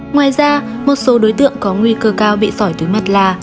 ngoài ra một số đối tượng có nguy cơ cao bị sỏi túi mật là